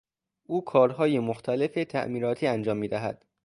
او کارهای مختلف تعمیراتی انجام میدهد.